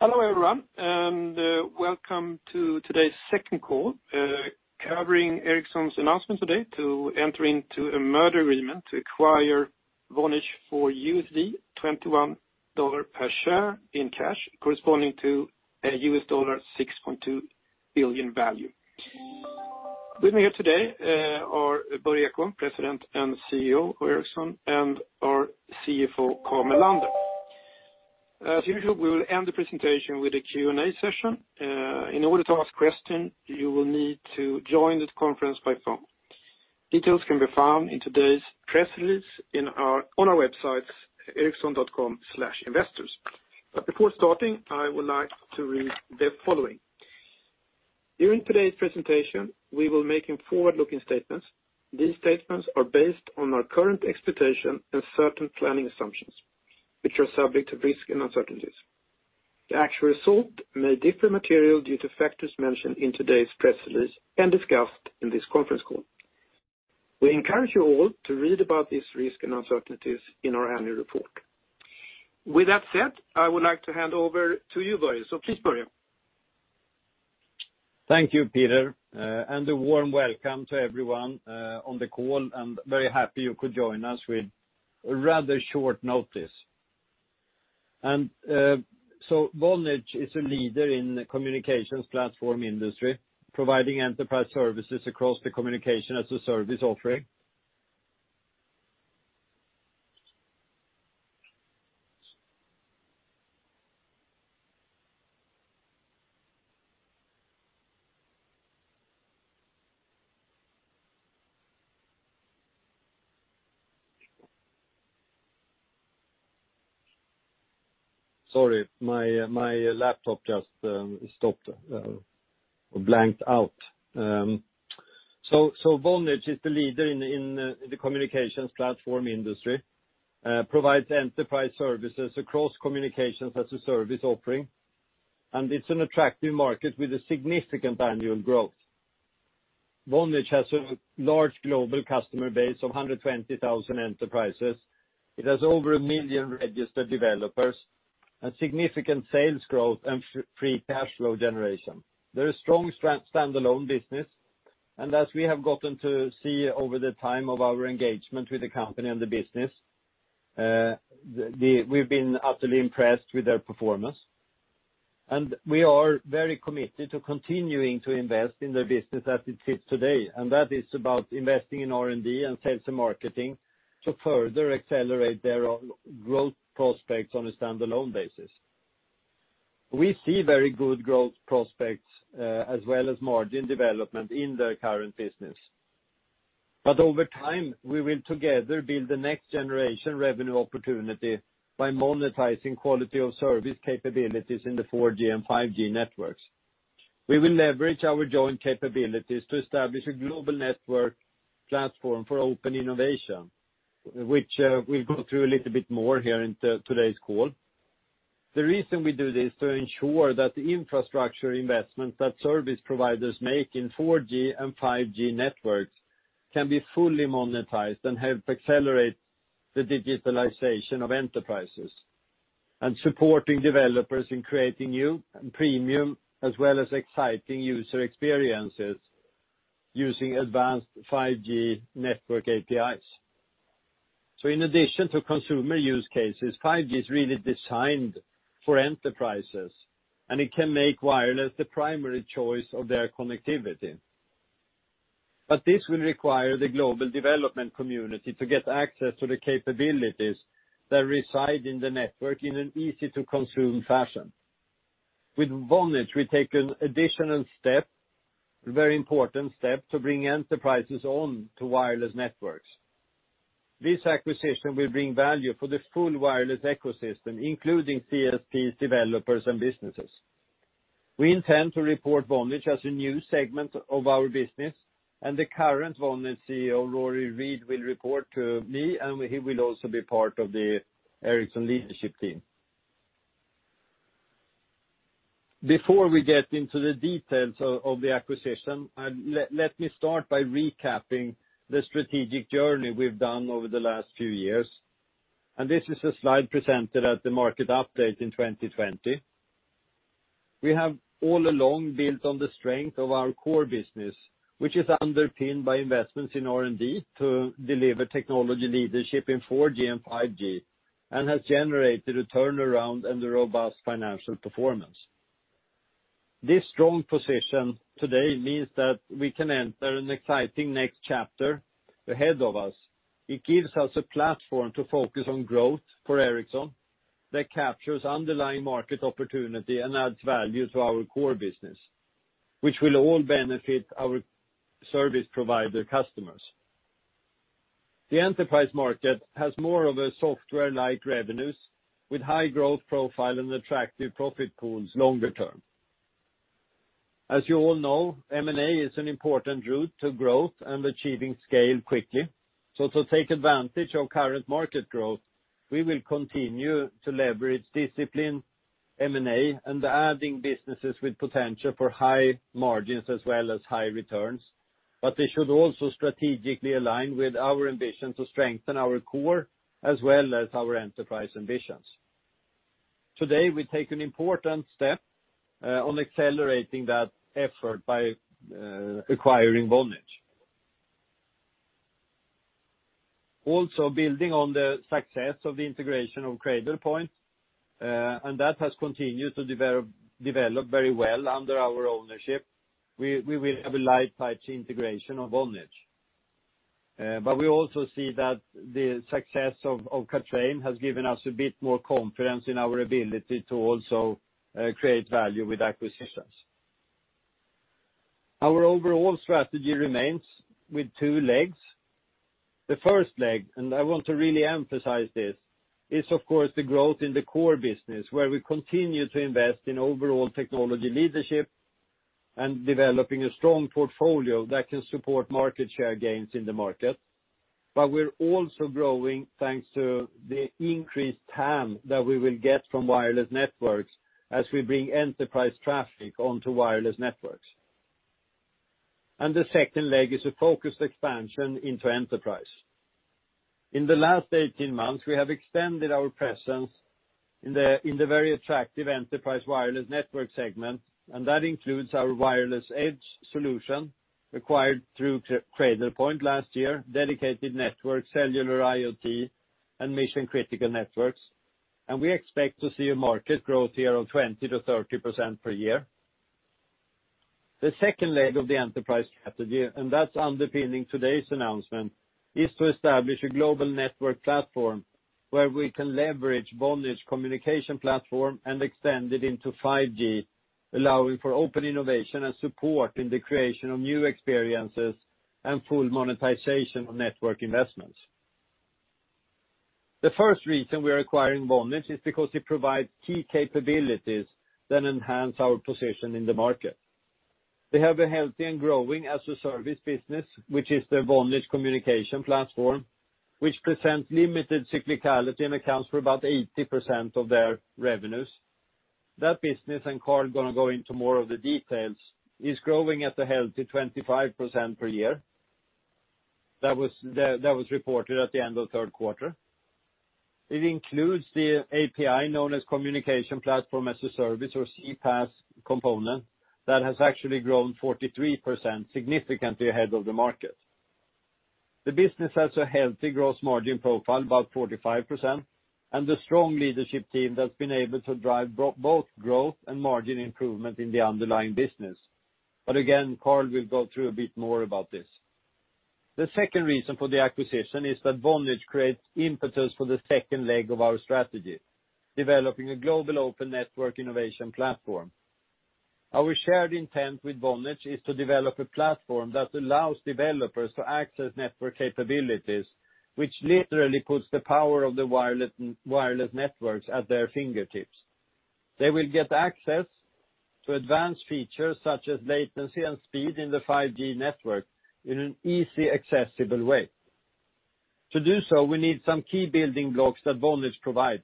Hello, everyone, and welcome to today's second call, covering Ericsson's announcement today to enter into a merger agreement to acquire Vonage for $21 per share in cash, corresponding to a $6.2 billion value. With me here today are Börje Ekholm, President and CEO of Ericsson, and our CFO, Carl Mellander. As usual, we will end the presentation with a Q&A session. In order to ask question, you will need to join this conference by phone. Details can be found in today's press release on our websites, ericsson.com/investors. Before starting, I would like to read the following. During today's presentation, we will be making forward-looking statements. These statements are based on our current expectation and certain planning assumptions, which are subject to risk and uncertainties. The actual result may differ materially due to factors mentioned in today's press release and discussed in this conference call. We encourage you all to read about this risk and uncertainties in our annual report. With that said, I would like to hand over to you, Börje. Please, Börje. Thank you, Peter. A warm welcome to everyone on the call, and very happy you could join us with rather short notice. Vonage is a leader in the communications platform industry, providing enterprise services across the communications as a service offering. Sorry, my laptop just stopped blanked out. Vonage is the leader in the communications platform industry, provides enterprise services across communications as a service offering, and it's an attractive market with a significant annual growth. Vonage has a large global customer base of 120,000 enterprises. It has over 1 million registered developers and significant sales growth and free cash flow generation. They're a strong standalone business. As we have gotten to see over the time of our engagement with the company and the business, we've been utterly impressed with their performance. We are very committed to continuing to invest in their business as it sits today. That is about investing in R&D and sales and marketing to further accelerate their growth prospects on a standalone basis. We see very good growth prospects, as well as margin development in their current business. Over time, we will together build the next generation revenue opportunity by monetizing quality of service capabilities in the 4G and 5G networks. We will leverage our joint capabilities to establish a global network platform for open innovation, which we'll go through a little bit more here in today's call. The reason we do this is to ensure that the infrastructure investments that service providers make in 4G and 5G networks can be fully monetized and help accelerate the digitalization of enterprises, supporting developers in creating new and premium as well as exciting user experiences using advanced 5G network APIs. In addition to consumer use cases, 5G is really designed for enterprises, and it can make wireless the primary choice of their connectivity. This will require the global development community to get access to the capabilities that reside in the network in an easy-to-consume fashion. With Vonage, we take an additional step, a very important step, to bring enterprises on to wireless networks. This acquisition will bring value for the full wireless ecosystem, including CSPs, developers, and businesses. We intend to report Vonage as a new segment of our business, and the current Vonage CEO, Rory Read, will report to me, and he will also be part of the Ericsson leadership team. Before we get into the details of the acquisition, let me start by recapping the strategic journey we've done over the last few years. This is a slide presented at the market update in 2020. We have all along built on the strength of our core business, which is underpinned by investments in R&D to deliver technology leadership in 4G and 5G and has generated a turnaround and a robust financial performance. This strong position today means that we can enter an exciting next chapter ahead of us. It gives us a platform to focus on growth for Ericsson that captures underlying market opportunity and adds value to our core business, which will all benefit our service provider customers. The enterprise market has more of a software-like revenues with high growth profile and attractive profit pools longer term. As you all know, M&A is an important route to growth and achieving scale quickly. To take advantage of current market growth, we will continue to leverage disciplined M&A and adding businesses with potential for high margins as well as high returns. They should also strategically align with our ambition to strengthen our core as well as our enterprise ambitions. Today, we take an important step on accelerating that effort by acquiring Vonage. Also building on the success of the integration of Cradlepoint, and that has continued to develop very well under our ownership. We will have a live 5G integration of Vonage. We also see that the success of Cradlepoint has given us a bit more confidence in our ability to also create value with acquisitions. Our overall strategy remains with two legs. The first leg, and I want to really emphasize this, is of course, the growth in the core business, where we continue to invest in overall technology leadership and developing a strong portfolio that can support market share gains in the market. We're also growing thanks to the increased TAM that we will get from wireless networks as we bring enterprise traffic onto wireless networks. The second leg is a focused expansion into enterprise. In the last 18 months, we have extended our presence in the very attractive enterprise wireless network segment, and that includes our wireless edge solution acquired through Cradlepoint last year, dedicated network, cellular IoT, and mission-critical networks. We expect to see a market growth here of 20%-30% per year. The second leg of the enterprise strategy, and that's underpinning today's announcement, is to establish a global network platform where we can leverage Vonage Communications Platform and extend it into 5G, allowing for open innovation and support in the creation of new experiences and full monetization of network investments. The first reason we are acquiring Vonage is because it provides key capabilities that enhance our position in the market. They have a healthy and growing as-a-service business, which is their Vonage Communications Platform, which presents limited cyclicality and accounts for about 80% of their revenues. That business, and Carl gonna go into more of the details, is growing at a healthy 25% per year. That was reported at the end of third quarter. It includes the API known as Communication Platform as a Service, or CPaaS component, that has actually grown 43%, significantly ahead of the market. The business has a healthy gross margin profile, about 45%, and a strong leadership team that's been able to drive both growth and margin improvement in the underlying business. Again, Carl will go through a bit more about this. The second reason for the acquisition is that Vonage creates impetus for the second leg of our strategy, developing a global open network innovation platform. Our shared intent with Vonage is to develop a platform that allows developers to access network capabilities, which literally puts the power of the wireless networks at their fingertips. They will get access to advanced features such as latency and speed in the 5G network in an easy, accessible way. To do so, we need some key building blocks that Vonage provides.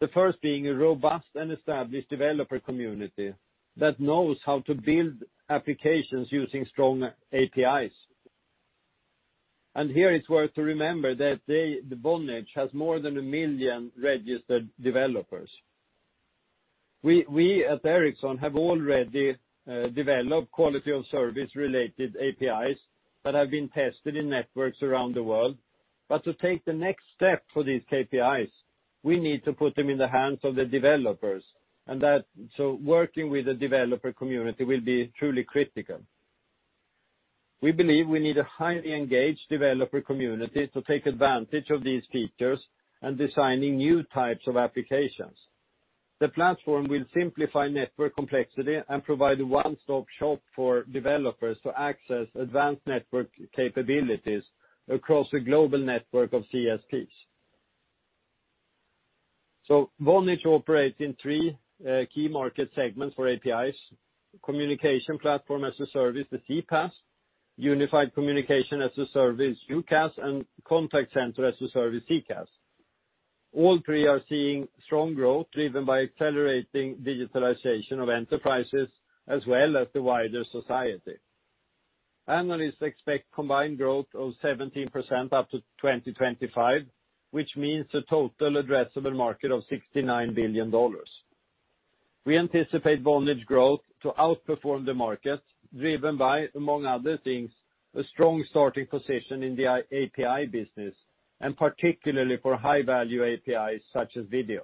The first being a robust and established developer community that knows how to build applications using strong APIs. Here it's worth to remember that they, the Vonage, has more than a million registered developers. We at Ericsson have already developed quality of service-related APIs that have been tested in networks around the world. To take the next step for these KPIs, we need to put them in the hands of the developers. Working with the developer community will be truly critical. We believe we need a highly engaged developer community to take advantage of these features and designing new types of applications. The platform will simplify network complexity and provide a one-stop shop for developers to access advanced network capabilities across a global network of CSPs. Vonage operates in three key market segments for APIs: Communication Platform as a Service, the CPaaS, Unified Communication as a Service, UCaaS, and Contact Center as a Service, CCaaS. All three are seeing strong growth driven by accelerating digitalization of enterprises as well as the wider society. Analysts expect combined growth of 17% up to 2025, which means a total addressable market of $69 billion. We anticipate Vonage growth to outperform the market, driven by, among other things, a strong starting position in the API business, and particularly for high-value APIs such as video.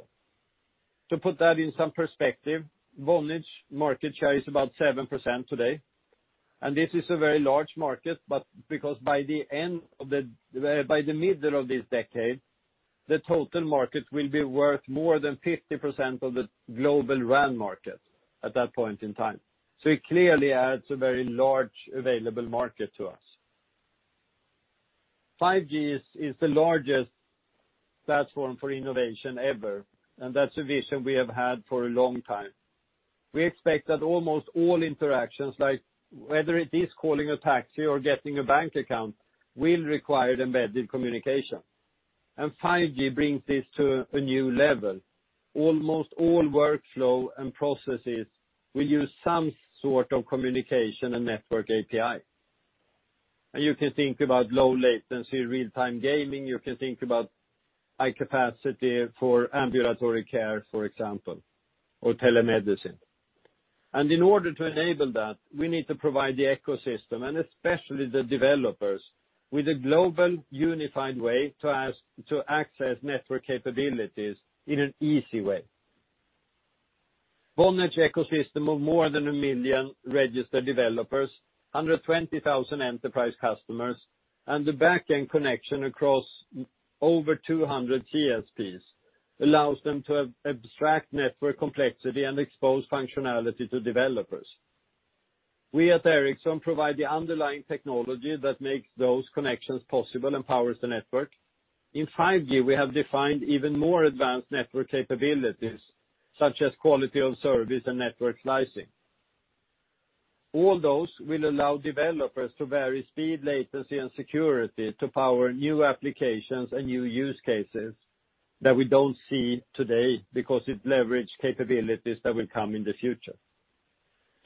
To put that in some perspective, Vonage market share is about 7% today, and this is a very large market, but because by the middle of this decade, the total market will be worth more than 50% of the global RAN market at that point in time. So it clearly adds a very large available market to us. 5G is the largest platform for innovation ever, and that's a vision we have had for a long time. We expect that almost all interactions, like whether it is calling a taxi or getting a bank account, will require embedded communication. 5G brings this to a new level. Almost all workflow and processes will use some sort of communication and network API. You can think about low latency real-time gaming. You can think about high capacity for ambulatory care, for example, or telemedicine. In order to enable that, we need to provide the ecosystem, and especially the developers, with a global, unified way to access network capabilities in an easy way. Vonage ecosystem of more than 1 million registered developers, 120,000 enterprise customers, and the back-end connection across over 200 TSPs, allows them to abstract network complexity and expose functionality to developers. We at Ericsson provide the underlying technology that makes those connections possible and powers the network. In 5G, we have defined even more advanced network capabilities, such as quality of service and network slicing. All those will allow developers to vary speed, latency, and security to power new applications and new use cases that we don't see today because it leveraged capabilities that will come in the future.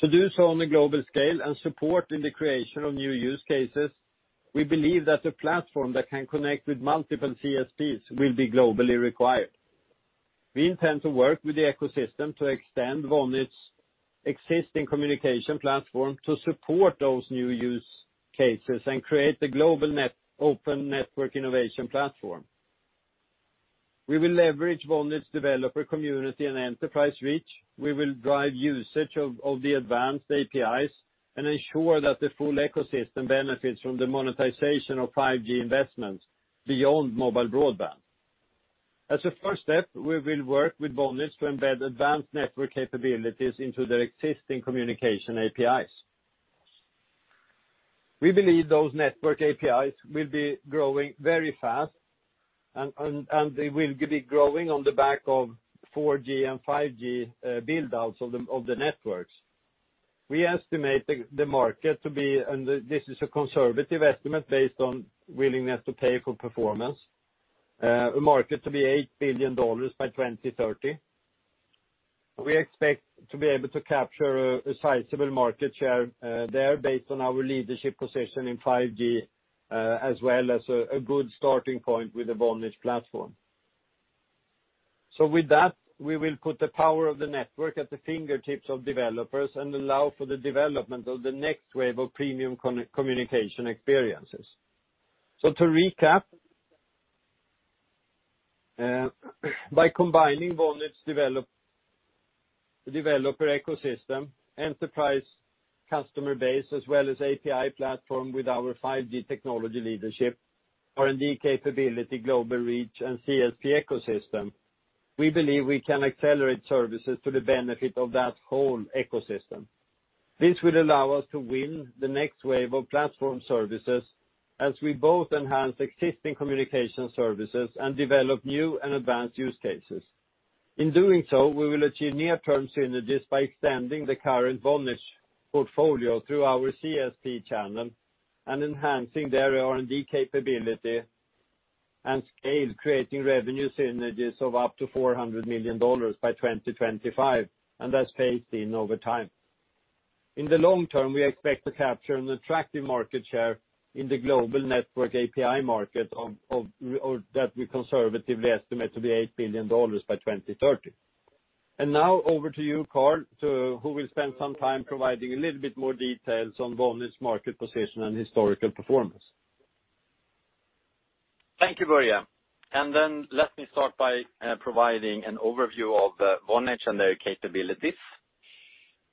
To do so on a global scale and support the creation of new use cases, we believe that the platform that can connect with multiple CSPs will be globally required. We intend to work with the ecosystem to extend Vonage's existing communication platform to support those new use cases and create the global open network innovation platform. We will leverage Vonage developer community and enterprise reach. We will drive usage of the advanced APIs and ensure that the full ecosystem benefits from the monetization of 5G investments beyond mobile broadband. As a first step, we will work with Vonage to embed advanced network capabilities into their existing communication APIs. We believe those network APIs will be growing very fast, and they will be growing on the back of 4G and 5G build-outs of the networks. We estimate the market to be, and this is a conservative estimate based on willingness to pay for performance, the market to be $8 billion by 2030. We expect to be able to capture a sizable market share there based on our leadership position in 5G, as well as a good starting point with the Vonage platform. With that, we will put the power of the network at the fingertips of developers and allow for the development of the next wave of premium communication experiences. To recap, by combining Vonage developer ecosystem, enterprise customer base, as well as API platform with our 5G technology leadership, R&D capability, global reach, and CSP ecosystem, we believe we can accelerate services to the benefit of that whole ecosystem. This will allow us to win the next wave of platform services as we both enhance existing communication services and develop new and advanced use cases. In doing so, we will achieve near-term synergies by extending the current Vonage portfolio through our CSP channel and enhancing their R&D capability and scale, creating revenue synergies of up to $400 million by 2025, and that's phased in over time. In the long term, we expect to capture an attractive market share in the global network API market or that we conservatively estimate to be $8 billion by 2030. Now over to you, Carl, who will spend some time providing a little bit more details on Vonage market position and historical performance. Thank you, Börje. Let me start by providing an overview of Vonage and their capabilities.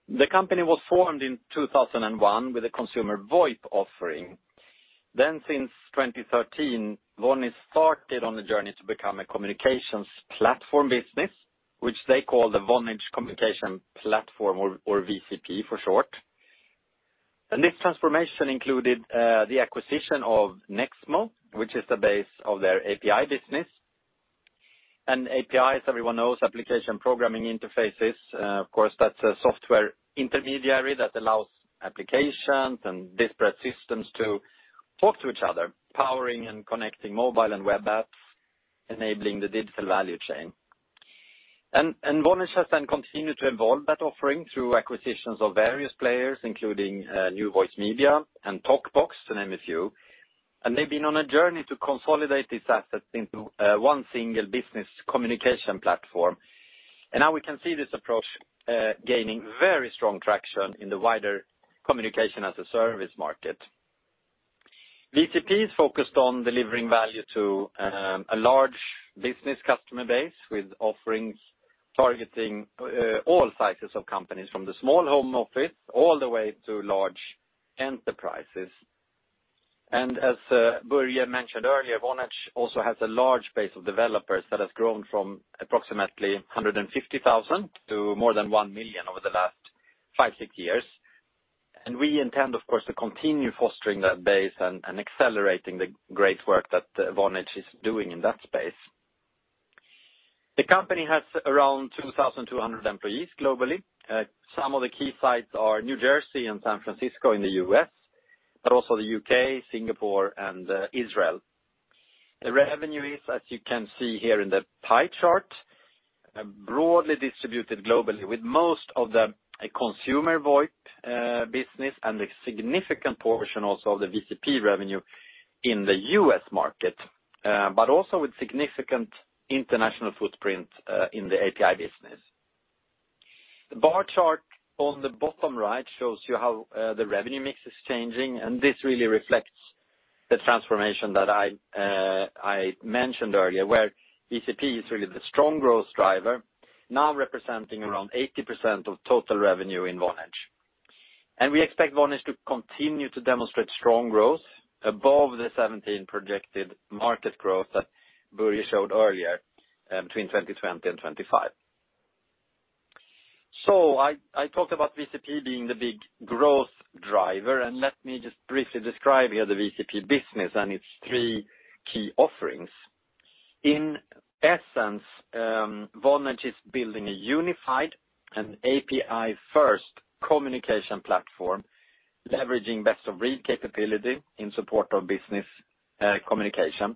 The company was formed in 2001 with a consumer VoIP offering. Since 2013, Vonage started on the journey to become a communications platform business, which they call the Vonage Communications Platform, or VCP for short. This transformation included the acquisition of Nexmo, which is the base of their API business. API, as everyone knows, application programming interfaces, of course, that's a software intermediary that allows applications and disparate systems to talk to each other, powering and connecting mobile and web apps, enabling the digital value chain. Vonage has then continued to evolve that offering through acquisitions of various players, including NewVoiceMedia and TokBox, to name a few. They've been on a journey to consolidate these assets into one single business communication platform. Now we can see this approach gaining very strong traction in the wider communication as a service market. VCP is focused on delivering value to a large business customer base with offerings targeting all sizes of companies, from the small home office all the way to large enterprises. As Börje mentioned earlier, Vonage also has a large base of developers that have grown from approximately 150,000 to more than 1 million over the last five, six years. We intend, of course, to continue fostering that base and accelerating the great work that Vonage is doing in that space. The company has around 2,200 employees globally. Some of the key sites are New Jersey and San Francisco in the U.S., but also the U.K., Singapore, and Israel. The revenue is, as you can see here in the pie chart, broadly distributed globally, with most of the consumer VoIP business and a significant portion also of the VCP revenue in the U.S. market, but also with significant international footprint in the API business. The bar chart on the bottom right shows you how the revenue mix is changing, and this really reflects the transformation that I mentioned earlier, where VCP is really the strong growth driver, now representing around 80% of total revenue in Vonage. We expect Vonage to continue to demonstrate strong growth above the 17% projected market growth that Börje showed earlier, between 2020 and 2025. I talked about VCP being the big growth driver, and let me just briefly describe here the VCP business and its three key offerings. In essence, Vonage is building a unified and API-first communication platform, leveraging best-of-breed capability in support of business communication.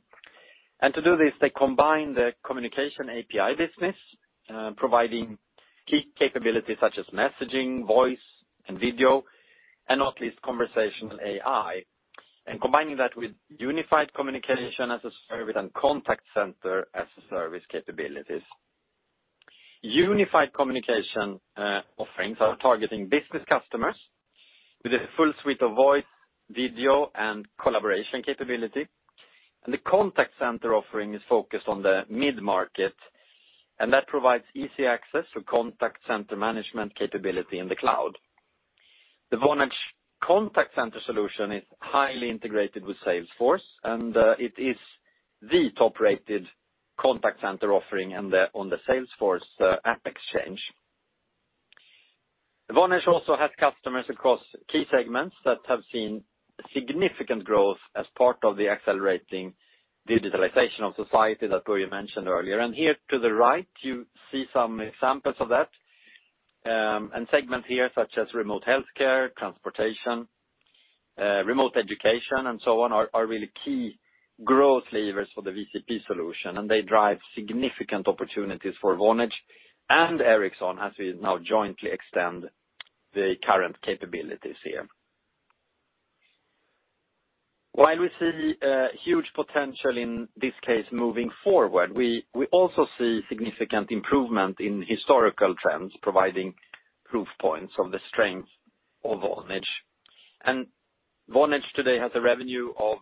To do this, they combine the communication API business, providing key capabilities such as messaging, voice, and video, and not least conversational AI, and combining that with unified communication as a service and contact center as a service capabilities. Unified communication offerings are targeting business customers with a full suite of voice, video, and collaboration capability. The contact center offering is focused on the mid-market, and that provides easy access to contact center management capability in the cloud. The Vonage Contact Center solution is highly integrated with Salesforce, and it is the top-rated contact center offering on the Salesforce AppExchange. Vonage also has customers across key segments that have seen significant growth as part of the accelerating digitalization of society that Börje mentioned earlier. Here to the right, you see some examples of that. Segments here such as remote healthcare, transportation, remote education, and so on are really key growth levers for the VCP solution, and they drive significant opportunities for Vonage and Ericsson as we now jointly extend the current capabilities here. While we see huge potential in this case moving forward, we also see significant improvement in historical trends providing proof points of the strength of Vonage. Vonage today has a revenue of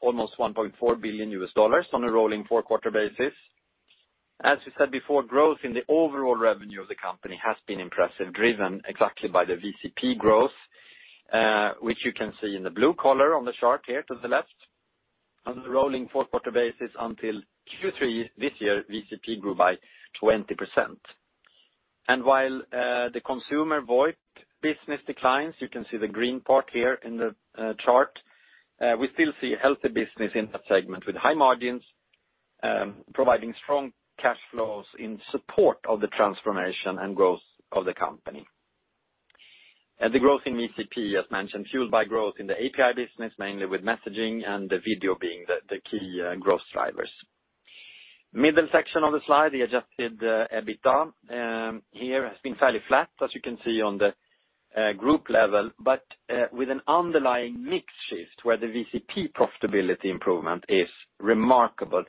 almost $1.4 billion on a rolling four-quarter basis. As we said before, growth in the overall revenue of the company has been impressive, driven exactly by the VCP growth, which you can see in the blue color on the chart here to the left. On the rolling four-quarter basis until Q3 this year, VCP grew by 20%. While the consumer VoIP business declines, you can see the green part here in the chart, we still see healthy business in that segment with high margins, providing strong cash flows in support of the transformation and growth of the company. The growth in VCP, as mentioned, fueled by growth in the API business, mainly with messaging and the video being the key growth drivers. Middle section of the slide, the adjusted EBITDA here has been fairly flat, as you can see on the group level, but with an underlying mix shift where the VCP profitability improvement is remarkable,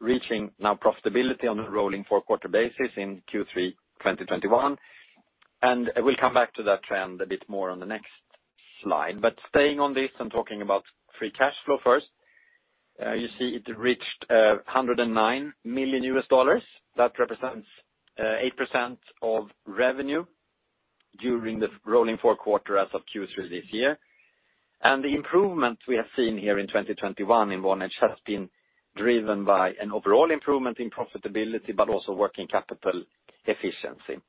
reaching now profitability on a rolling four-quarter basis in Q3 2021. We'll come back to that trend a bit more on the next slide. Staying on this and talking about free cash flow first, you see it reached $109 million. That represents 8% of revenue during the rolling four-quarter as of Q3 this year. The improvement we have seen here in 2021 in Vonage has been driven by an overall improvement in profitability, but also working capital efficiency.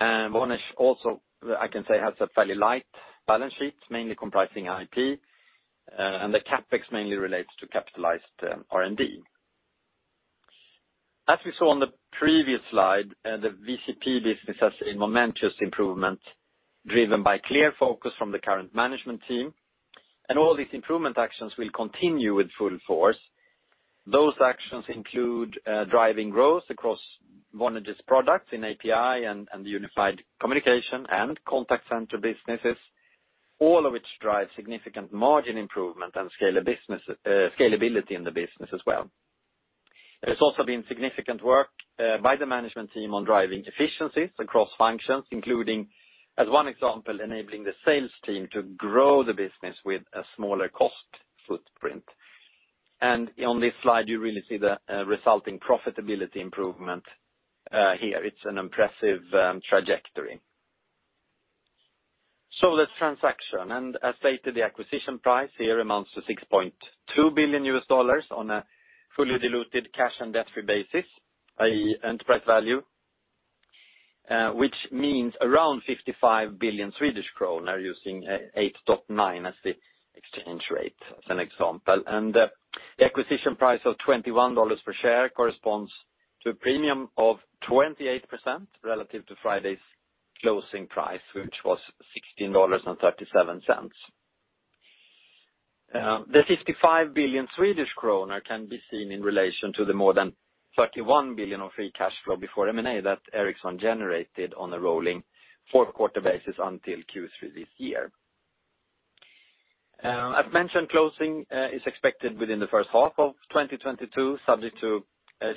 Vonage also, I can say, has a fairly light balance sheet, mainly comprising IT, and the CapEx mainly relates to capitalized R&D. As we saw on the previous slide, the VCP business has a momentous improvement driven by clear focus from the current management team, and all these improvement actions will continue with full force. Those actions include driving growth across Vonage's products in API and unified communication and contact center businesses, all of which drive significant margin improvement and scalability in the business as well. There's also been significant work by the management team on driving efficiencies across functions, including, as one example, enabling the sales team to grow the business with a smaller cost footprint. On this slide, you really see the resulting profitability improvement here. It's an impressive trajectory. This transaction, and as stated, the acquisition price here amounts to $6.2 billion on a fully diluted cash and debt-free basis, i.e. enterprise value, which means around 55 billion Swedish kronor using 8.9 as the exchange rate as an example. The acquisition price of $21 per share corresponds to a premium of 28% relative to Friday's closing price, which was $16.37. The 55 billion Swedish kronor can be seen in relation to the more than 31 billion of free cash flow before M&A that Ericsson generated on a rolling fourth quarter basis until Q3 this year. As mentioned, closing is expected within the first half of 2022, subject to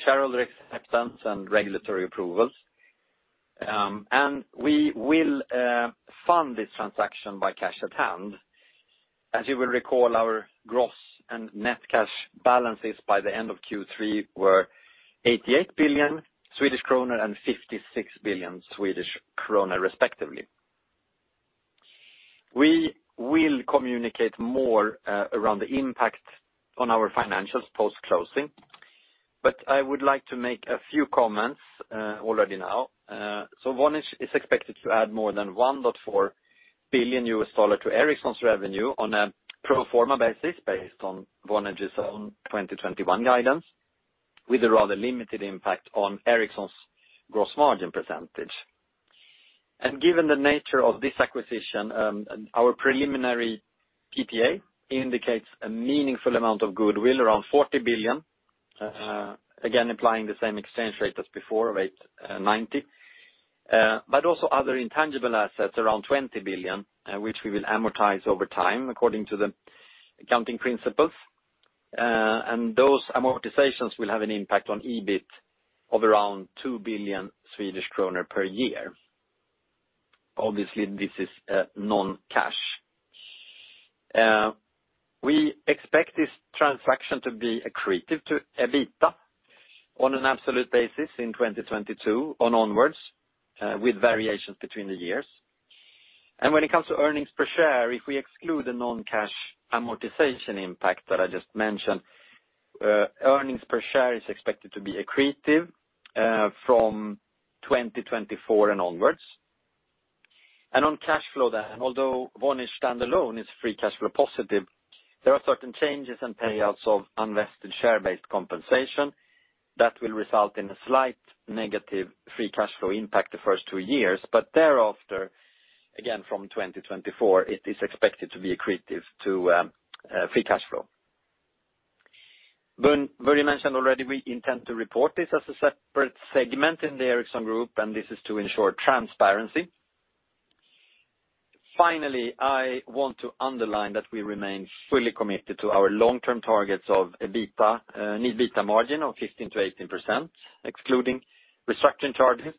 shareholder acceptance and regulatory approvals. We will fund this transaction by cash at hand. As you will recall, our gross and net cash balances by the end of Q3 were 88 billion Swedish kronor and 56 billion Swedish kronor respectively. We will communicate more around the impact on our financials post-closing. I would like to make a few comments already now. Vonage is expected to add more than $1.4 billion to Ericsson's revenue on a pro forma basis based on Vonage's own 2021 guidance, with a rather limited impact on Ericsson's gross margin percentage. Given the nature of this acquisition, our preliminary PPA indicates a meaningful amount of goodwill, around 40 billion, again, applying the same exchange rate as before of 8.90. also other intangible assets, around 20 billion, which we will amortize over time according to the accounting principles. Those amortizations will have an impact on EBIT of around 2 billion Swedish kronor per year. Obviously, this is non-cash. We expect this transaction to be accretive to EBITDA on an absolute basis in 2022 and onwards, with variations between the years. When it comes to earnings per share, if we exclude the non-cash amortization impact that I just mentioned, earnings per share is expected to be accretive from 2024 and onwards. On cash flow then, although Vonage standalone is free cash flow positive, there are certain changes in payouts of unvested share-based compensation that will result in a slight negative free cash flow impact the first two years. Thereafter, again, from 2024, it is expected to be accretive to free cash flow. Börje mentioned already we intend to report this as a separate segment in the Ericsson group, and this is to ensure transparency. Finally, I want to underline that we remain fully committed to our long-term targets of EBITDA margin of 15%-18%, excluding restructuring charges,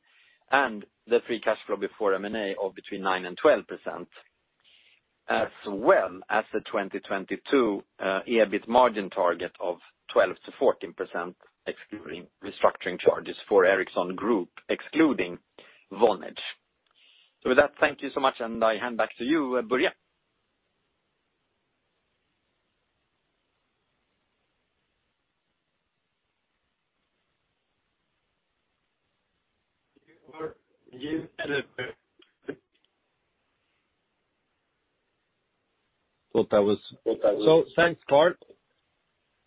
and the free cash flow before M&A of between 9%-12%, as well as the 2022, EBIT margin target of 12%-14%, excluding restructuring charges for Ericsson Group, excluding Vonage. With that, thank you so much, and I hand back to you, Börje. You are muted. Thought that was. Thanks, Carl.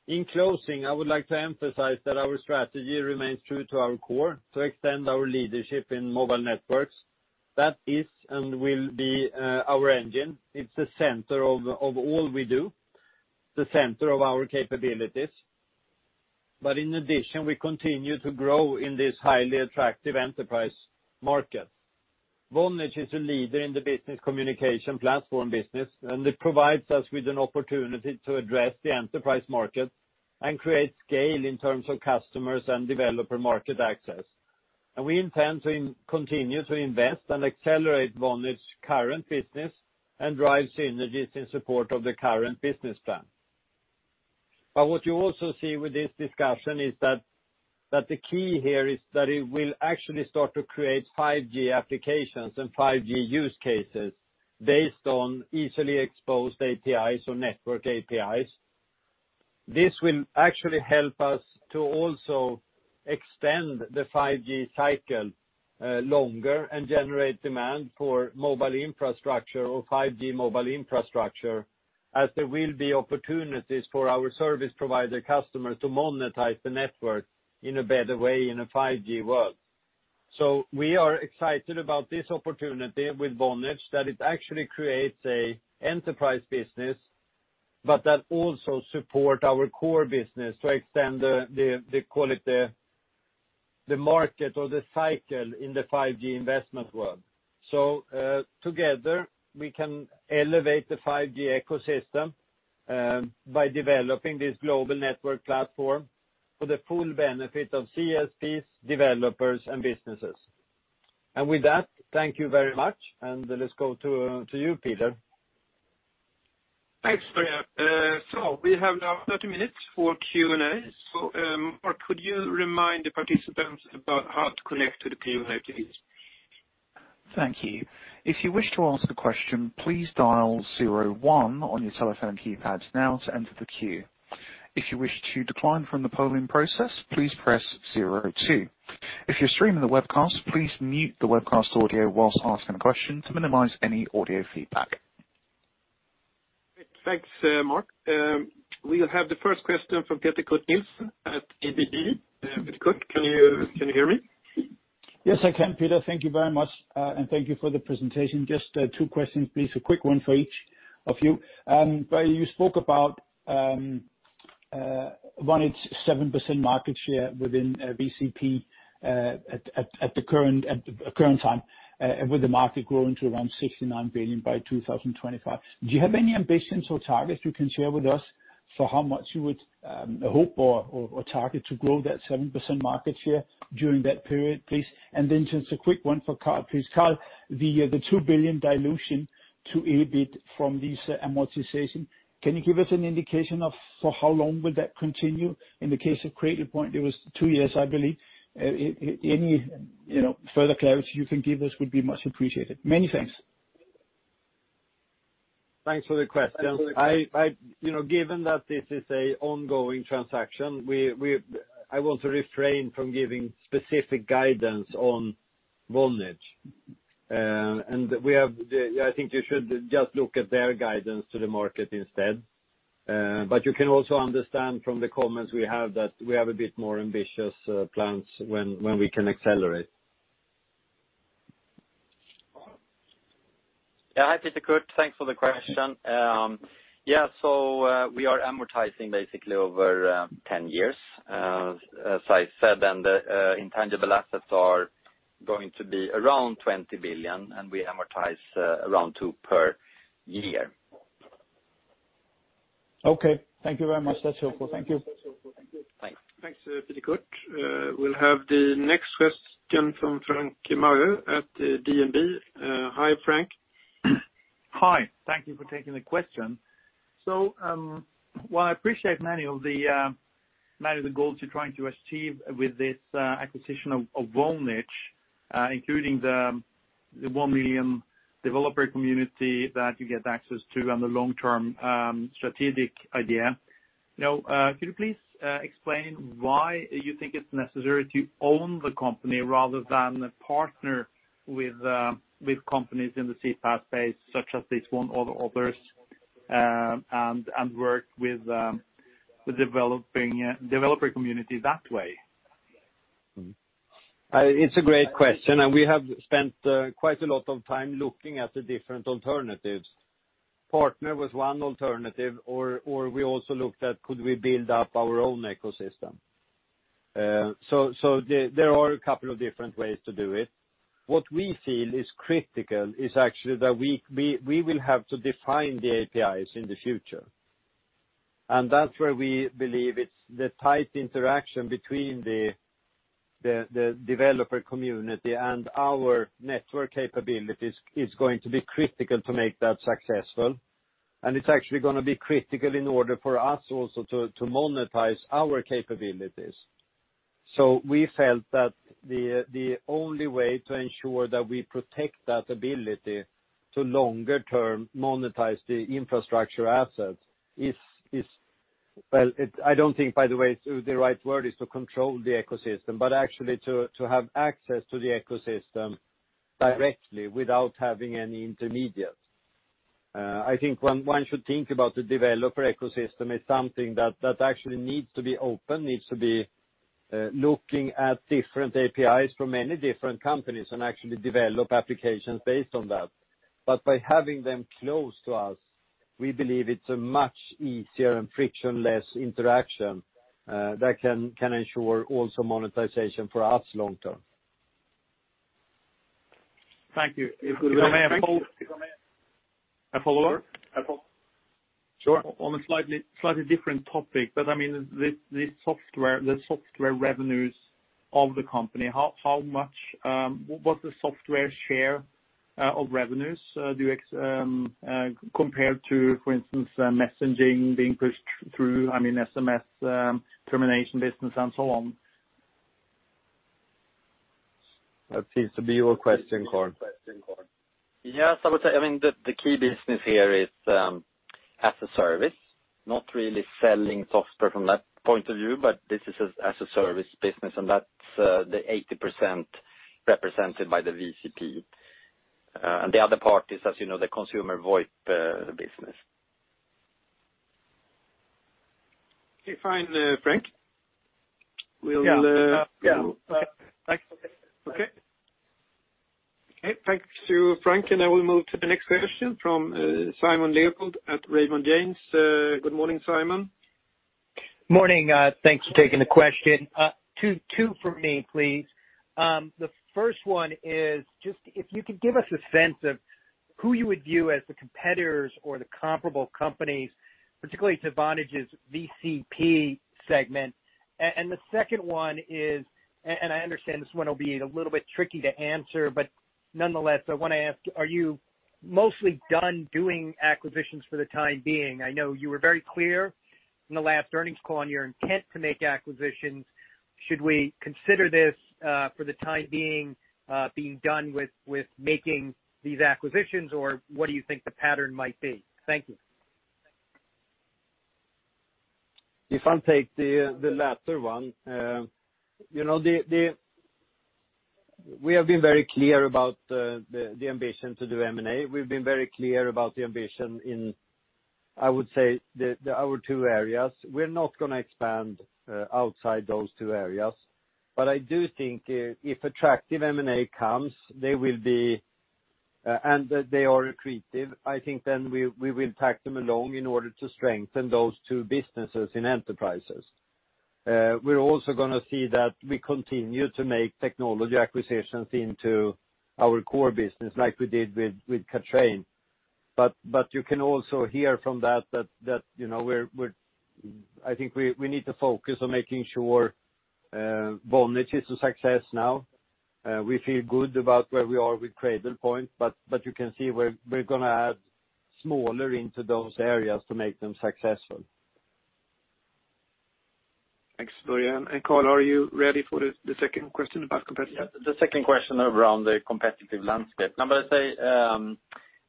In closing, I would like to emphasize that our strategy remains true to our core, to extend our leadership in mobile networks. That is and will be our engine. It's the center of all we do, the center of our capabilities. In addition, we continue to grow in this highly attractive enterprise market. Vonage is a leader in the business communication platform business, and it provides us with an opportunity to address the enterprise market and create scale in terms of customers and developer market access. We intend to continue to invest and accelerate Vonage's current business and drive synergies in support of the current business plan. What you also see with this discussion is that the key here is that it will actually start to create 5G applications and 5G use cases based on easily exposed APIs or network APIs. This will actually help us to also extend the 5G cycle longer and generate demand for mobile infrastructure or 5G mobile infrastructure, as there will be opportunities for our service provider customers to monetize the network in a better way in a 5G world. We are excited about this opportunity with Vonage, that it actually creates a enterprise business, but that also support our core business to extend the call it the market or the cycle in the 5G investment world. Together, we can elevate the 5G ecosystem by developing this global network platform for the full benefit of CSPs, developers, and businesses. With that, thank you very much. Let's go to you, Peter. Thanks, Börje. We have now 30 minutes for Q&A. Or could you remind the participants about how to connect to the Q&A, please? Thank you. If you wish to ask a question, please dial zero one on your telephone keypads now to enter the queue. If you wish to decline from the polling process, please press zero two. If you're streaming the webcast, please mute the webcast audio whilst asking a question to minimize any audio feedback. Great. Thanks, Mark. We'll have the first question from Peter Kurt Nielsen at ABG. Peter Kurt, can you hear me? Yes, I can, Peter. Thank you very much, and thank you for the presentation. Just, two questions please, a quick one for each of you. You spoke about 18.7% market share within VCP at the current time, with the market growing to around $69 billion by 2025. Do you have any ambitions or targets you can share with us for how much you would hope or target to grow that 7% market share during that period, please? Just a quick one for Carl, please. Carl, the $2 billion dilution to EBIT from this amortization, can you give us an indication of for how long will that continue? In the case of Cradlepoint, it was two years, I believe. Any, you know, further clarity you can give us would be much appreciated. Many thanks. Thanks for the question. Thanks for the question. I. You know, given that this is a ongoing transaction, I want to refrain from giving specific guidance on Vonage. I think you should just look at their guidance to the market instead. You can also understand from the comments we have that we have a bit more ambitious plans when we can accelerate. Hi, Peter Kurt Nielsen. Thanks for the question. We are amortizing basically over 10 years, as I said, and the intangible assets are going to be around $20 billion, and we amortize around $2 billion per year. Okay. Thank you very much. That's helpful. Thank you. Thanks. Thanks, Peter Kurt. We'll have the next question from Frank Meeuwissen at DNB. Hi, Frank. Hi. Thank you for taking the question. While I appreciate many of the goals you're trying to achieve with this acquisition of Vonage, including the 1 million developer community that you get access to and the long-term strategic idea. Now, could you please explain why you think it's necessary to own the company rather than partner with companies in the CPaaS space, such as this one or the others, and work with the developer community that way? It's a great question, and we have spent quite a lot of time looking at the different alternatives. Partner was one alternative, or we also looked at could we build up our own ecosystem. There are a couple of different ways to do it. What we feel is critical is actually that we will have to define the APIs in the future. That's where we believe it's the tight interaction between the developer community and our network capabilities is going to be critical to make that successful. It's actually gonna be critical in order for us also to monetize our capabilities. We felt that the only way to ensure that we protect that ability to longer term monetize the infrastructure assets is. Well, I don't think, by the way, the right word is to control the ecosystem, but actually to have access to the ecosystem directly without having any intermediates. I think one should think about the developer ecosystem as something that actually needs to be open, needs to be looking at different APIs from many different companies and actually develop applications based on that. By having them close to us, we believe it's a much easier and frictionless interaction that can ensure also monetization for us long term. Thank you. If we may have a follow-up? Sure. On a slightly different topic, but I mean the software revenues of the company. What's the software share of revenues compared to, for instance, messaging being pushed through, I mean, SMS termination business and so on? That seems to be your question, Carl. Yes, I would say, I mean, the key business here is as-a-service, not really selling software from that point of view, but this is a SaaS business, and that's the 80% represented by the VCP. The other part is, as you know, the consumer VoIP business. Okay, fine, Frank. Yeah. Yeah. Okay, thanks to Frank, and I will move to the next question from Simon Leopold at Raymond James. Good morning, Simon. Morning. Thanks for taking the question. Two from me, please. The first one is just if you could give us a sense of who you would view as the competitors or the comparable companies, particularly to Vonage's VCP segment. And the second one is, and I understand this one will be a little bit tricky to answer, but nonetheless, I wanna ask you, are you mostly done doing acquisitions for the time being? I know you were very clear in the last earnings call on your intent to make acquisitions. Should we consider this, for the time being done with making these acquisitions? Or what do you think the pattern might be? Thank you. If I take the latter one, you know, we have been very clear about the ambition to do M&A. We've been very clear about the ambition in, I would say, our two areas. We're not gonna expand outside those two areas. I do think if attractive M&A comes, they will be, and they are accretive, I think then we will take them along in order to strengthen those two businesses in enterprises. We're also gonna see that we continue to make technology acquisitions into our core business, like we did with Cradlepoint. You can also hear from that, you know, I think we need to focus on making sure Vonage is a success now. We feel good about where we are with Cradlepoint, but you can see we're gonna add smaller into those areas to make them successful. Thanks, Börje. Carl, are you ready for the second question about competitive? Yeah. The second question around the competitive landscape. No, but I say,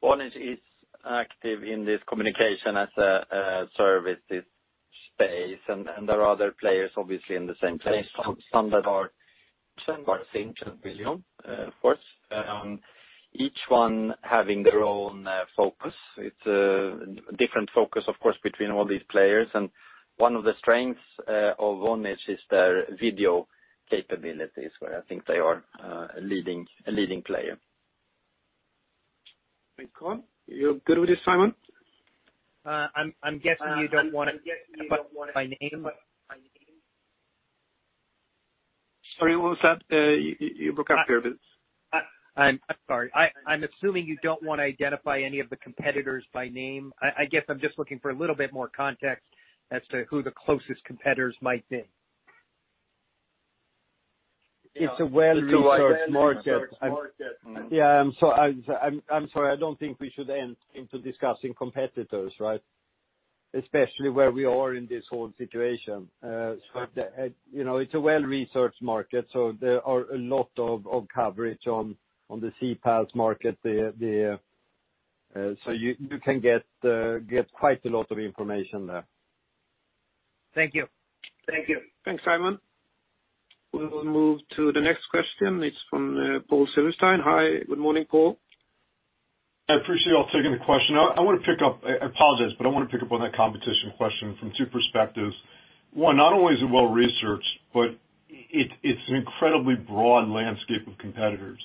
Vonage is active in this communications as a service space. There are other players obviously in the same place. Some are the same as Twilio, of course. Each one having their own focus. It's different focus of course between all these players. One of the strengths of Vonage is their video capabilities, where I think they are a leading player. Thanks, Carl. You good with this, Simon? I'm guessing you don't wanna be named. Sorry, what was that? You broke up there a bit. I'm sorry. I'm assuming you don't wanna identify any of the competitors by name. I guess I'm just looking for a little bit more context as to who the closest competitors might be. It's a well-researched market. Yeah, I'm sorry, I don't think we should enter into discussing competitors, right? You know, it's a well-researched market, so there are a lot of coverage on the CPaaS market. You can get quite a lot of information there. Thank you. Thank you. Thanks, Simon. We'll move to the next question. It's from Paul Silverstein. Hi, good morning, Paul. I appreciate y'all taking the question. I apologize, but I wanna pick up on that competition question from two perspectives. One, not only is it well-researched, but it's an incredibly broad landscape of competitors,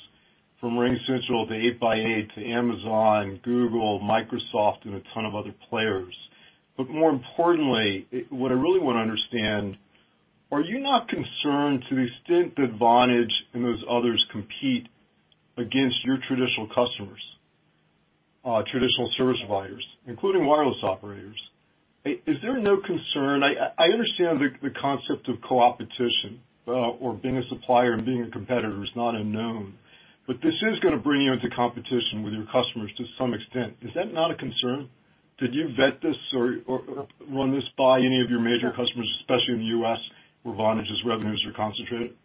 from RingCentral to 8x8 to Amazon, Google, Microsoft, and a ton of other players. More importantly, what I really wanna understand, are you not concerned to the extent that Vonage and those others compete against your traditional customers, traditional service providers, including wireless operators? Is there no concern? I understand the concept of co-opetition, or being a supplier and being a competitor is not unknown. This is gonna bring you into competition with your customers to some extent. Is that not a concern? Did you vet this or run this by any of your major customers, especially in the U.S., where Vonage's revenues are concentrated?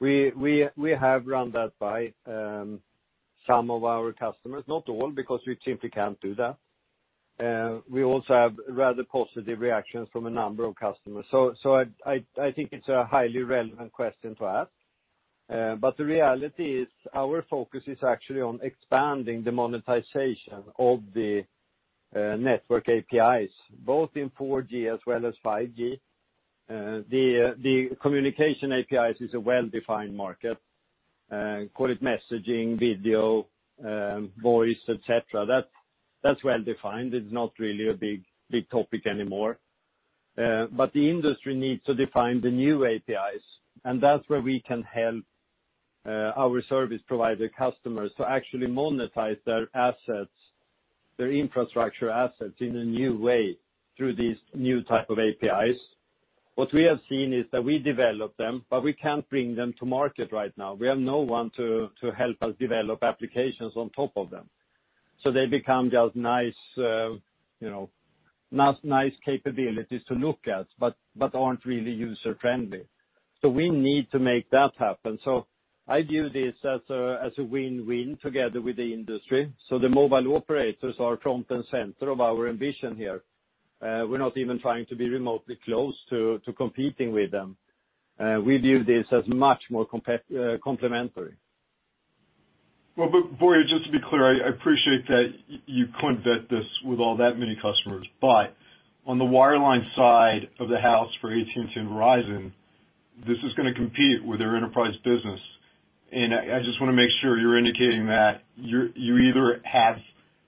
We have run that by some of our customers. Not all, because we simply can't do that. We also have rather positive reactions from a number of customers. I think it's a highly relevant question to ask. The reality is our focus is actually on expanding the monetization of the network APIs, both in 4G as well as 5G. The communication APIs is a well-defined market. Call it messaging, video, voice, et cetera. That's well defined. It's not really a big topic anymore. The industry needs to define the new APIs, and that's where we can help our service provider customers to actually monetize their assets, their infrastructure assets in a new way through these new type of APIs. What we have seen is that we develop them, but we can't bring them to market right now. We have no one to help us develop applications on top of them. They become just nice, you know, nice capabilities to look at, but aren't really user-friendly. We need to make that happen. I view this as a win-win together with the industry. The mobile operators are front and center of our ambition here. We're not even trying to be remotely close to competing with them. We view this as much more complementary. Well, Börje, just to be clear, I appreciate that you couldn't vet this with all that many customers. On the wireline side of the house for AT&T and Verizon, this is gonna compete with their enterprise business. I just wanna make sure you're indicating that you either have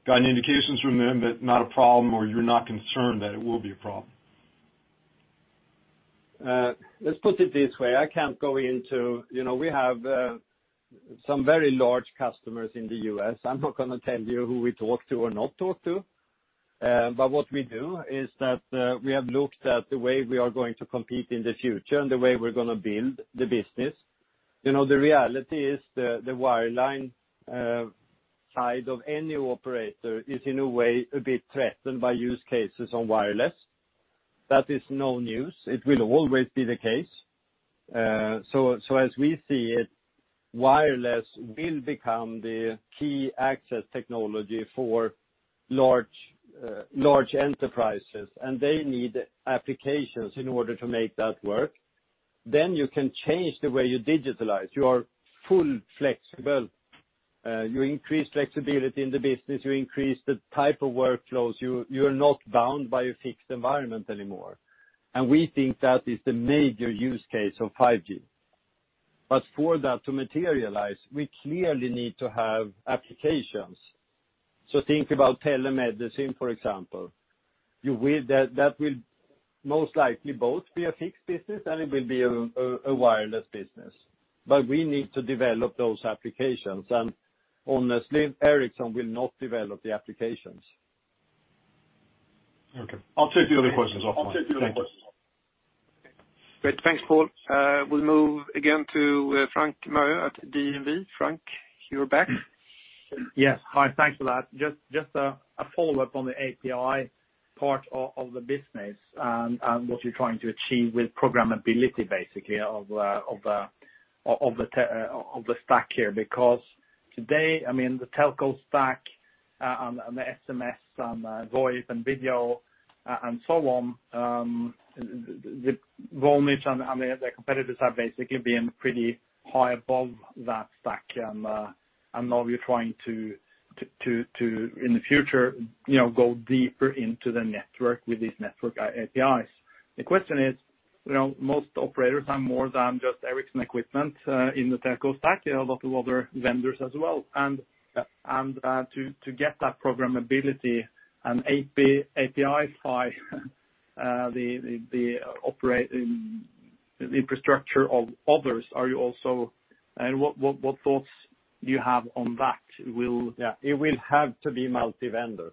gotten indications from them that's not a problem or you're not concerned that it will be a problem. Let's put it this way. I can't go into. You know, we have some very large customers in the U.S. I'm not gonna tell you who we talk to or not talk to. What we do is that we have looked at the way we are going to compete in the future and the way we're gonna build the business. You know, the reality is the wireline side of any operator is in a way a bit threatened by use cases on wireless. That is no news. It will always be the case. As we see it, wireless will become the key access technology for large enterprises, and they need applications in order to make that work. Then you can change the way you digitalize. You are fully flexible. You increase flexibility in the business. You increase the type of workflows. You're not bound by a fixed environment anymore. We think that is the major use case of 5G. For that to materialize, we clearly need to have applications. Think about telemedicine, for example. That will most likely both be a fixed business and it will be a wireless business. We need to develop those applications, and honestly, Ericsson will not develop the applications. Okay. I'll take the other questions offline. Thank you. Great. Thanks, Paul. We'll move again to Frank Meeuwissen at DNB. Frank, you're back. Yes. Hi. Thanks for that. Just a follow-up on the API part of the business and what you're trying to achieve with programmability basically of the stack here. Because today, I mean, the telco stack and the SMS and voice and video and so on, the Vonage and the competitors are basically being pretty high above that stack. Now you're trying to in the future, you know, go deeper into the network with these network APIs. The question is, you know, most operators have more than just Ericsson equipment in the telco stack. They have a lot of other vendors as well. To get that programmability and API file in the infrastructure of others, are you also? What thoughts do you have on that? Will- Yeah. It will have to be multi-vendor.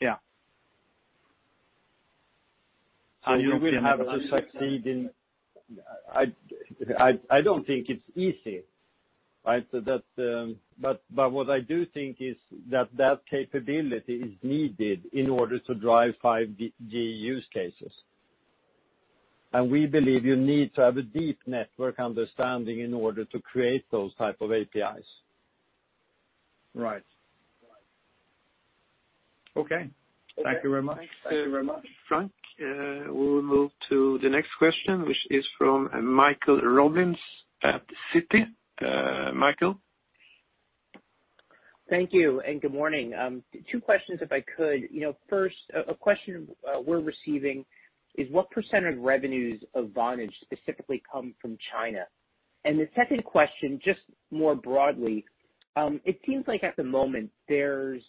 Yeah. I don't think it's easy, right? What I do think is that capability is needed in order to drive 5G use cases. We believe you need to have a deep network understanding in order to create those type of APIs. Right. Okay. Thank you very much. Thanks, Frank. We'll move to the next question, which is from Michael Rollins at Citi. Michael? Thank you and good morning. Two questions if I could. You know, first, a question we're receiving is what percent of revenues of Vonage specifically come from China? The second question, just more broadly, it seems like at the moment there's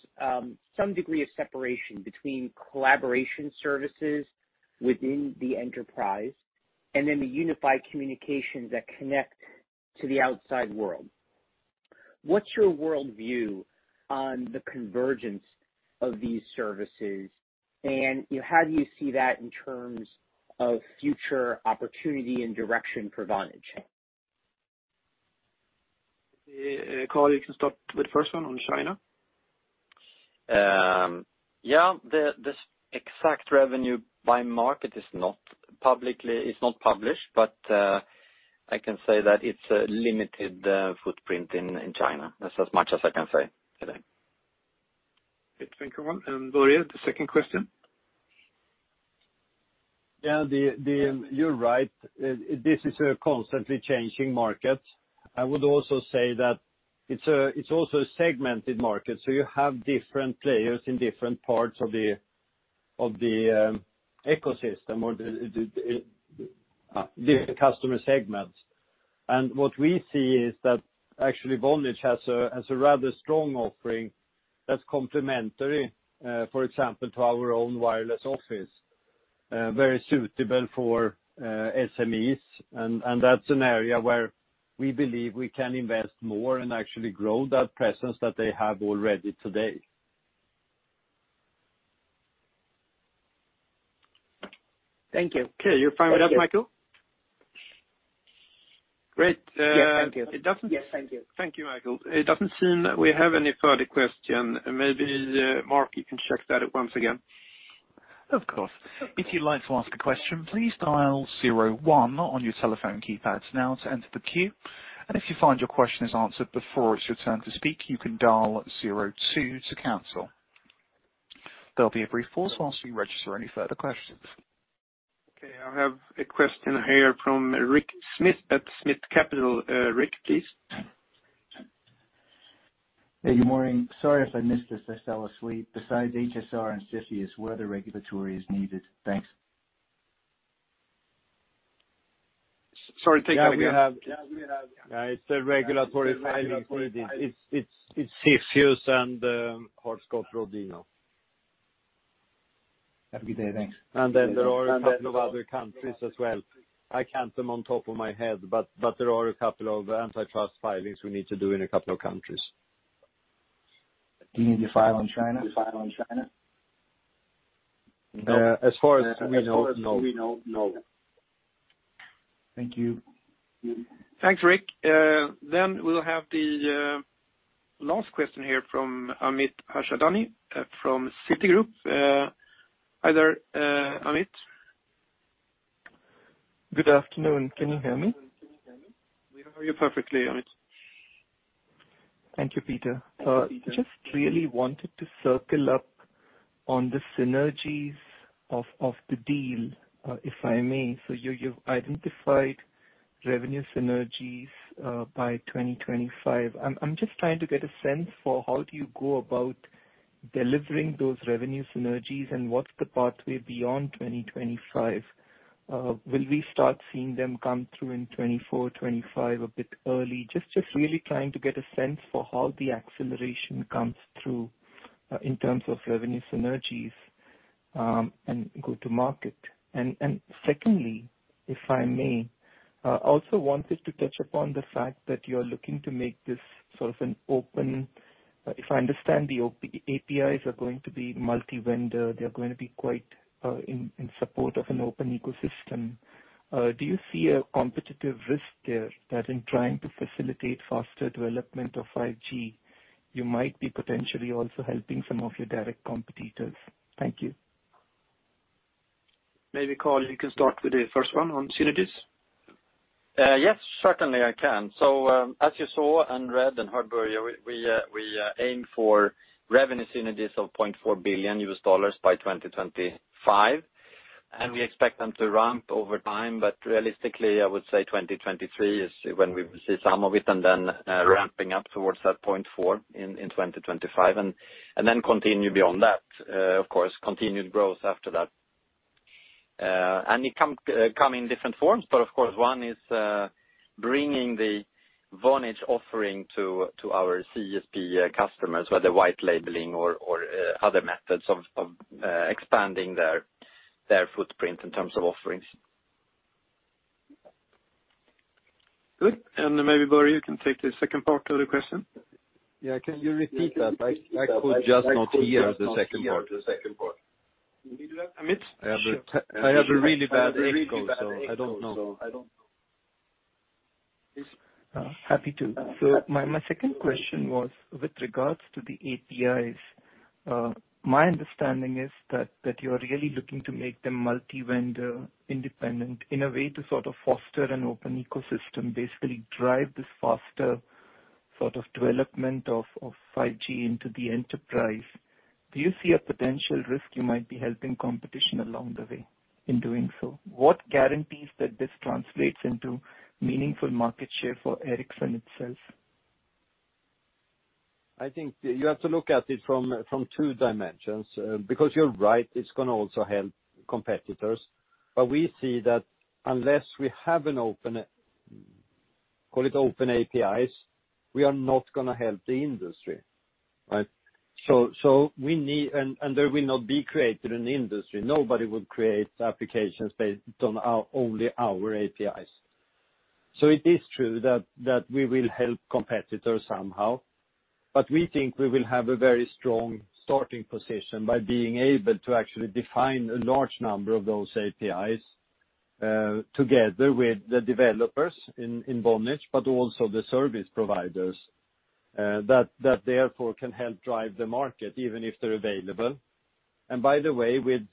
some degree of separation between collaboration services within the enterprise and then the unified communications that connect to the outside world. What's your world view on the convergence of these services? You know, how do you see that in terms of future opportunity and direction for Vonage? Carl, you can start with the first one on China. Yeah. The exact revenue by market is not published, but I can say that it's a limited footprint in China. That's as much as I can say today. Thank you. Börje, the second question. Yeah. You're right. This is a constantly changing market. I would also say that it's also a segmented market, so you have different players in different parts of the ecosystem or the customer segments. What we see is that actually Vonage has a rather strong offering that's complementary, for example, to our own wireless office, very suitable for SMEs. That's an area where we believe we can invest more and actually grow that presence that they have already today. Thank you. Okay. You're fine with that, Michael? Great. Yeah. Thank you. Yes, thank you. Thank you, Michael. It doesn't seem that we have any further question. Maybe, Mark, you can check that once again. Of course. If you'd like to ask a question, please dial zero one on your telephone keypads now to enter the queue. And if you find your question is answered before it's your turn to speak, you can dial zero two to cancel. There'll be a brief pause whilst we register any further questions. Okay, I have a question here from Rick Smith at Smith Capital. Rick, please. Good morning. Sorry if I missed this. I fell asleep. Besides HSR and CFIUS, what other regulatory is needed? Thanks. Sorry, say that again. Yeah, we have. Yeah, we have. Yeah, it's a regulatory filing for CFIUS and Hart-Scott-Rodino. Have a good day. Thanks. There are a couple of other countries as well. I can't name them off the top of my head, but there are a couple of antitrust filings we need to do in a couple of countries. Do you need to file in China? As far as we know, no. Thank you. Thanks, Rick. We'll have the last question here from Amit Harchandani from Citigroup. Hi there, Amit. Good afternoon. Can you hear me? We hear you perfectly, Amit. Thank you, Peter. Just really wanted to circle up on the synergies of the deal, if I may. You have identified revenue synergies by 2025. I'm just trying to get a sense for how do you go about delivering those revenue synergies and what's the pathway beyond 2025? Will we start seeing them come through in 2024, 2025, a bit early? Just really trying to get a sense for how the acceleration comes through in terms of revenue synergies and go to market. Secondly, if I may, also wanted to touch upon the fact that you're looking to make this sort of an open. If I understand, the open APIs are going to be multi-vendor. They're gonna be quite in support of an open ecosystem. Do you see a competitive risk there that in trying to facilitate faster development of 5G, you might be potentially also helping some of your direct competitors? Thank you. Maybe Carl, you can start with the first one on synergies. Yes, certainly I can. As you saw and read in Harburg, we aim for revenue synergies of $0.4 billion by 2025, and we expect them to ramp over time. Realistically, I would say 2023 is when we will see some of it and then ramping up towards that 0.4 in 2025, and then continue beyond that. Of course, continued growth after that. And it comes in different forms, but of course, one is bringing the Vonage offering to our CSP customers, whether white labeling or other methods of expanding their footprint in terms of offerings. Good. Maybe, Börje, you can take the second part of the question. Yeah. Can you repeat that? I could just not hear the second part. Can you hear that, Amit? I have a really bad echo, so I don't know. Happy to. My second question was with regards to the APIs. My understanding is that that you're really looking to make them multi-vendor independent in a way to sort of foster an open ecosystem, basically drive this faster sort of development of 5G into the enterprise. Do you see a potential risk you might be helping competition along the way in doing so? What guarantees that this translates into meaningful market share for Ericsson itself? I think you have to look at it from two dimensions. Because you're right, it's gonna also help competitors. We see that unless we have an open, call it open APIs, we are not gonna help the industry, right? There will not be created an industry. Nobody will create applications based only on our APIs. It is true that we will help competitors somehow, but we think we will have a very strong starting position by being able to actually define a large number of those APIs, together with the developers in Vonage, but also the service providers, that therefore can help drive the market even if they're available. By the way, with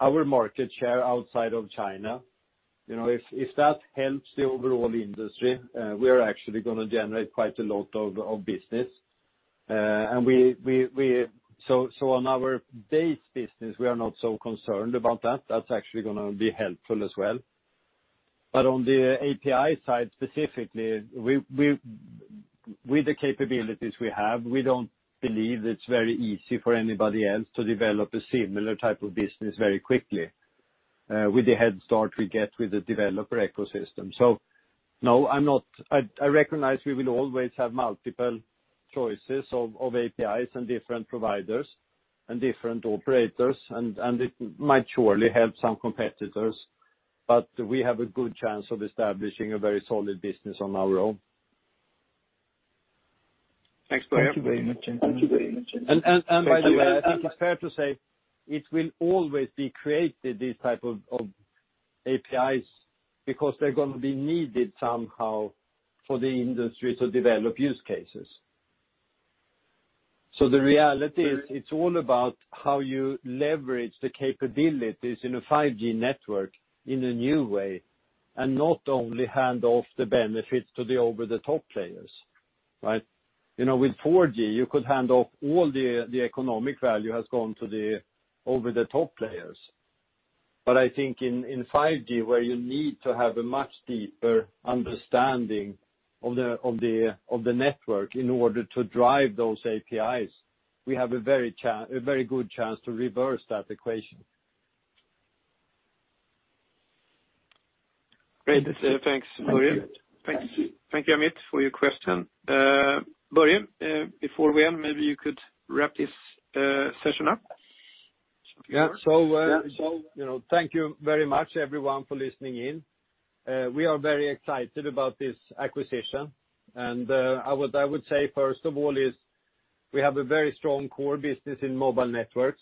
our market share outside of China, you know, if that helps the overall industry, we are actually gonna generate quite a lot of business. We are not so concerned about that. That's actually gonna be helpful as well. On the API side, specifically, with the capabilities we have, we don't believe it's very easy for anybody else to develop a similar type of business very quickly, with the head start we get with the developer ecosystem. No, I'm not. I recognize we will always have multiple choices of APIs and different providers and different operators, and it might surely help some competitors, but we have a good chance of establishing a very solid business on our own. Thanks for that. Thank you very much. By the way, I think it's fair to say it will always be created, these type of APIs, because they're gonna be needed somehow for the industry to develop use cases. The reality is it's all about how you leverage the capabilities in a 5G network in a new way and not only hand off the benefits to the over-the-top players, right? You know, with 4G, you could hand off all the economic value has gone to the over-the-top players. I think in 5G, where you need to have a much deeper understanding of the network in order to drive those APIs, we have a very good chance to reverse that equation. Great. Thanks, Börje. Thank you, Amit, for your question. Börje, before we end, maybe you could wrap this session up. Yeah, you know, thank you very much everyone for listening in. We are very excited about this acquisition. I would say first of all is we have a very strong core business in mobile networks.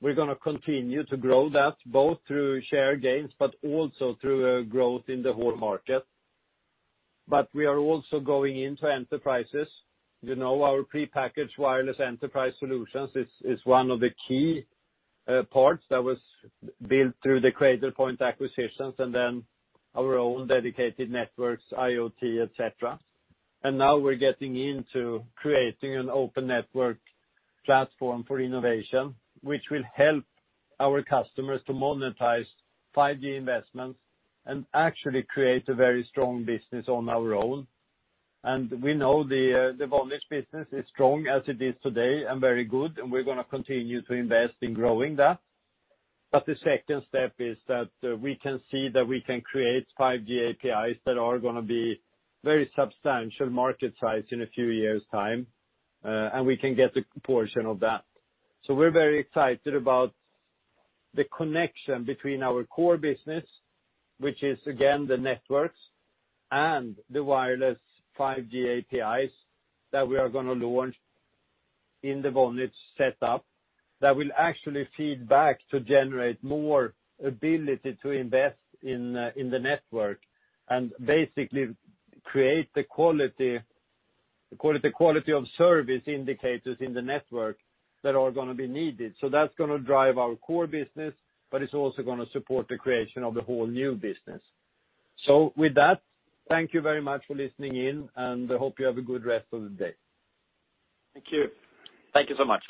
We're gonna continue to grow that, both through share gains, but also through growth in the whole market. We are also going into enterprises. You know, our prepackaged wireless enterprise solutions is one of the key parts that was built through the Cradlepoint acquisitions, and then our own dedicated networks, IoT, et cetera. Now we're getting into creating an open network platform for innovation, which will help our customers to monetize 5G investments and actually create a very strong business on our own. We know the Vonage business is strong as it is today, and very good, and we're gonna continue to invest in growing that. The second step is that we can see that we can create 5G APIs that are gonna be very substantial market size in a few years' time, and we can get a portion of that. We're very excited about the connection between our core business, which is again, the networks, and the wireless 5G APIs that we are gonna launch in the Vonage setup that will actually feed back to generate more ability to invest in the network and basically create the quality of service indicators in the network that are gonna be needed. That's gonna drive our core business, but it's also gonna support the creation of the whole new business. With that, thank you very much for listening in, and I hope you have a good rest of the day. Thank you. Thank you so much.